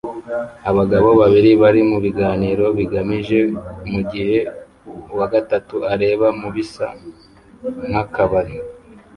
Abagabo babiri bari mubiganiro bigamije mugihe uwagatatu areba mubisa nkakabari